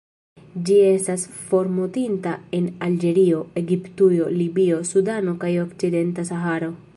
Ĝi estas formortinta en Alĝerio, Egiptujo, Libio, Sudano kaj okcidenta Saharo.